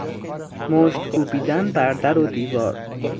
مشت کوبیدن بر در و دیوار